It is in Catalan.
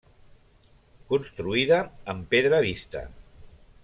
Construïda amb pedra vista.